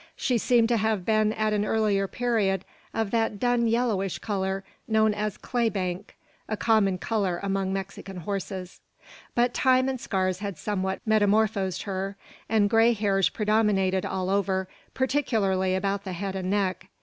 She seemed to have been at an earlier period of that dun yellowish colour known as "clay bank," a common colour among Mexican horses; but time and scars had somewhat metamorphosed her, and grey hairs predominated all over, particularly about the head and neck.